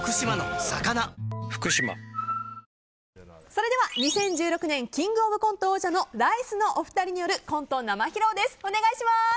それでは２０１６年「キングオブコント」王者のライスのお二人によるコント生披露です。